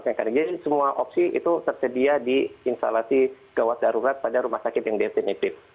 jadi semua opsi itu tersedia di instalasi gawat darurat pada rumah sakit yang definitif